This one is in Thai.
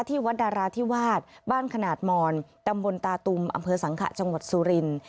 วัดดาราธิวาสบ้านขนาดมอนตำบลตาตุมอำเภอสังขะจังหวัดสุรินทร์